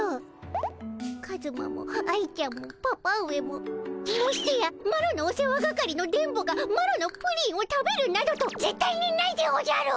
カズマも愛ちゃんもパパ上もましてやマロのお世話係の電ボがマロのプリンを食べるなどとぜったいにないでおじゃる！